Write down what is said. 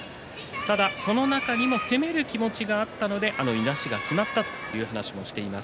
ただ、その中にも攻める気持ちがあったのでいなしがきまったという話もしています